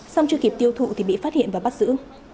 xong chưa kịp tiêu thụ thì bị phát hiện và bắt giữ